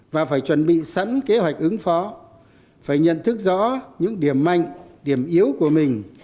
và phải chuẩn bị sẵn kế hoạch ứng phó phải nhận thức rõ những điểm mạnh điểm yếu của mình